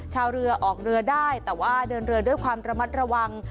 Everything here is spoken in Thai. ชาวเรือออกเรือได้แต่ว่าเดินเรือด้วยความระมัดระวัง